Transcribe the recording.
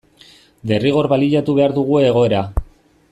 Derrigor baliatu behar dugu egoera.